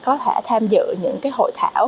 có thể tham dự những cái hội thảo